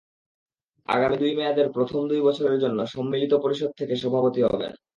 আগামী দুই মেয়াদের প্রথম দুই বছরের জন্য সম্মিলিত পরিষদ থেকে সভাপতি হবেন।